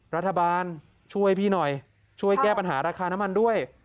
รัฐบาลช่วยพี่หน่อยช่วยแก้ปัญหาราคาน้ำมันด้วย